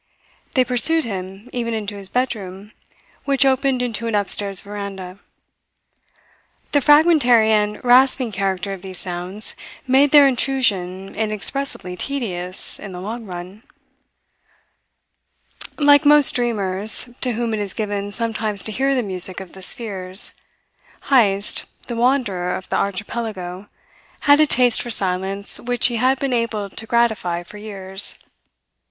They pursued him even into his bedroom, which opened into an upstairs veranda. The fragmentary and rasping character of these sounds made their intrusion inexpressibly tedious in the long run. Like most dreamers, to whom it is given sometimes to hear the music of the spheres, Heyst, the wanderer of the Archipelago, had a taste for silence which he had been able to gratify for years.